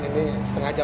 apa dari apa nah